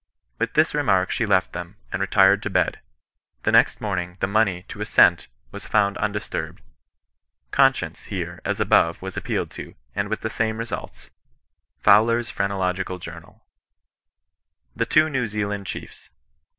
With this remark, she left them, and retired to bed. The next morning, the money, to a cent, was found undis turbed. Conscience here, as above, was appealed to, and with the same results. — Fowler's Phrenological Journal, THE TWO NEW ZEALAND CHIEFS.